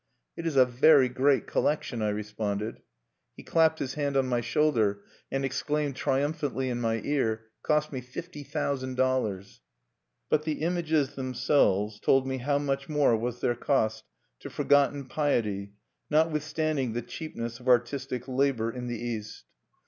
"It is a very great collection," I responded. He clapped his hand on my shoulder, and exclaimed triumphantly in my ear, "Cost me fifty thousand dollars." But the images themselves told me how much more was their cost to forgotten piety, notwithstanding the cheapness of artistic labor in the East.